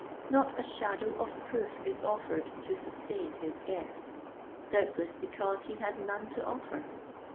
Not a shadow of proof is offered to sustain his guess; doubtless because he had none to offer.